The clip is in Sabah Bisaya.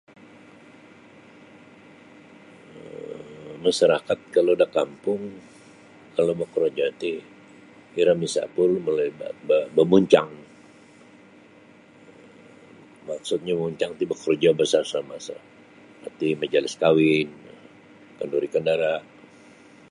um masarakat kalau da kampung kalau bokorojo ti iro misapul malalui ba ba bamuncang maksudnyo bamuncang ti bokorojo basama sa seperti majlis kawin kenduri-kendara'.